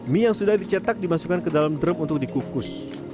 mie yang sudah dicetak dimasukkan ke dalam drum untuk dikukus